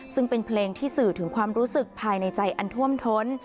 ซึ่งเป็นเพลงที่สื่อถึงความรู้สึกภายในใจอันท่วมท้น